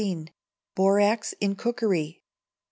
Borax in Cookery.